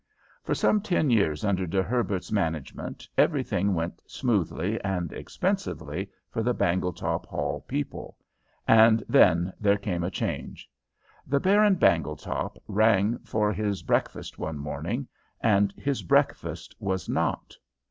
For some ten years under De Herbert's management everything went smoothly and expensively for the Bangletop Hall people, and then there came a change. The Baron Bangletop rang for his breakfast one morning, and his breakfast was not.